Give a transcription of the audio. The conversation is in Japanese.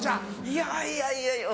いやいやいやいや